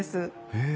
へえ。